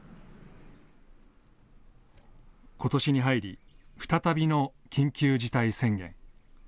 ことしに入り再びの緊急事態宣言。